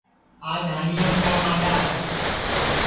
آج ھانڈؔیام کیا ماڈؔا ہے